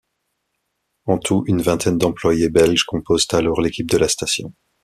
En tout, une vingtaine d’employés, belges, composent alors l’équipe de la station.